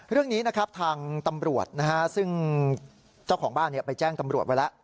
เรื่องนี้นะครับทางตำรวจนะฮะซึ่งเจ้าของบ้านไปแจ้งตำรวจไว้แล้ว